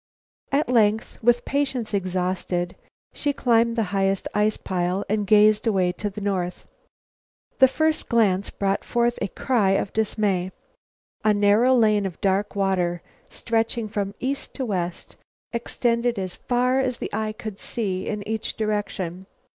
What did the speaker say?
At length, with patience exhausted, she climbed the highest ice pile and gazed away to the north. The first glance brought forth a cry of dismay. A narrow lane of dark water, stretching from east to west, extended as far as eye could see in each direction.